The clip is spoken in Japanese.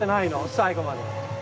最後まで。